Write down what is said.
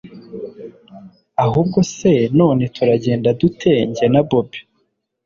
ahubwo se none turagenda dute njye na bobi!